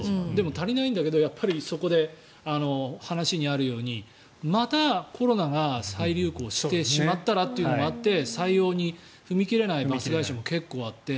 足りないんだけどそこで、話にあるようにまたコロナが再流行してしまったらというのもあって採用に踏み切れないバス会社も結構あって。